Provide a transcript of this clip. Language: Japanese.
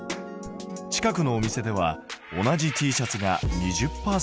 近くのお店では同じＴシャツが２０％オフ。